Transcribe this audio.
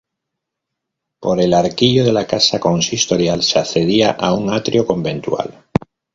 Por el arquillo de la casa consistorial se accedía a un atrio conventual.